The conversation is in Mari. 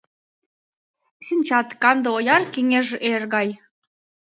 Шинчат канде ояр кеҥеж эр гай.